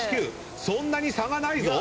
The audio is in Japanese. そんなに差がないぞ。